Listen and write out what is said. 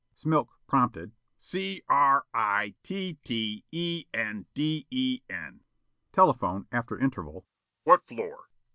Smilk, prompted. "C r i t t e n d e n." Telephone, after interval: "What floor?"